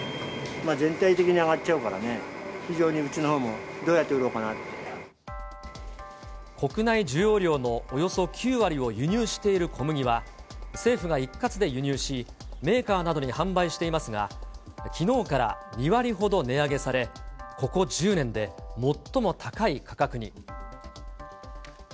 全体的に上がっちゃうからね、非常にうちのほうもどうやって売国内需要量のおよそ９割を輸入している小麦は、政府が一括で輸入し、メーカーなどに販売していますが、きのうから２割ほど値上げされ、ここ１０年で最も高い価格に。